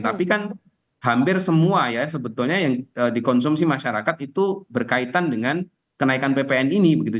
tapi kan hampir semua ya sebetulnya yang dikonsumsi masyarakat itu berkaitan dengan kenaikan ppn ini begitu